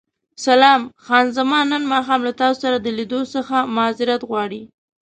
سلام، خان زمان نن ماښام له تاسو سره د لیدو څخه معذورت غواړي.